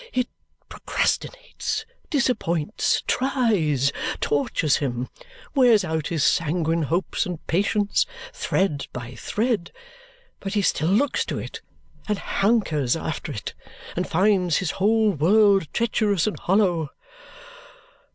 It procrastinates, disappoints, tries, tortures him; wears out his sanguine hopes and patience, thread by thread; but he still looks to it, and hankers after it, and finds his whole world treacherous and hollow.